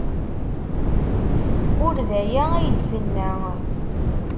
Ur d aya ay d-tenna.